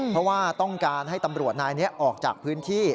เพราะว่าต้องการให้ตำรวจนายนี้ออกจากพื้นที่